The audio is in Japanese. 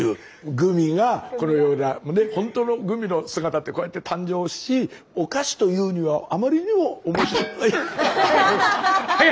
グミがこのようなほんとのグミの姿ってこうやって誕生しお菓子というにはあまりにも。ガッテン！